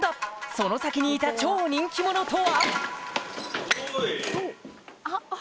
その先にいた超人気者とは？